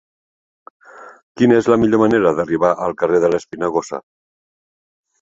Quina és la millor manera d'arribar al carrer de l'Espinagosa?